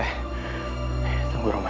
nih tunggu raman